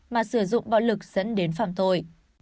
mà sử dụng bạo lực dẫn đến phạm tội